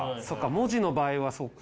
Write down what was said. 文字の場合はそうか。